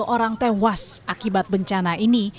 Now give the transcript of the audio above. lima puluh orang tewas akibat bencana ini